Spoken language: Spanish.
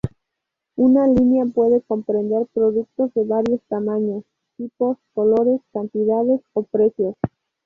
Una línea puede comprender productos de varios tamaños, tipos, colores, cantidades o precios.